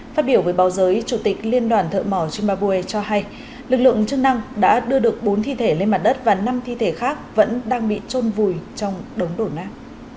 phát biểu với báo giới chủ tịch liên đoàn thợ mỏ zimbabwe cho hay lực lượng chức năng đã đưa được bốn thi thể lên mặt đất và năm thi thể khác vẫn đang bị trôn vùi trong đống đổ nát